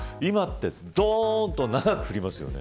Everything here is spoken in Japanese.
今はどーんと長く降りますよね。